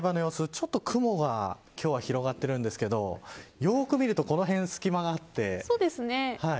ちょっと雲が今日は広がっているんですけれどもよく見るとこの辺に隙間があって。